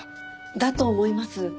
だと思います。